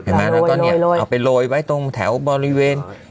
เอาไปโรยไว้ตรงแถวบริเวณ